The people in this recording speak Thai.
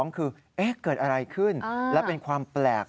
คือเกิดอะไรขึ้นและเป็นความแปลก